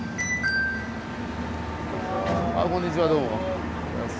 あこんにちはどうも。